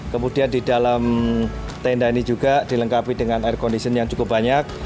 kemudian di dalam tenda ini juga dilengkapi dengan air condition yang cukup banyak